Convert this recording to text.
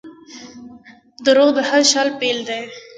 • دروغ د هر شر پیل دی.